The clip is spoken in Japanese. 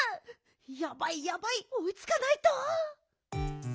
やばいやばいおいつかないと！